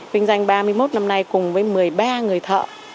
kinh doanh ba mươi một năm nay cùng với một mươi ba người thợ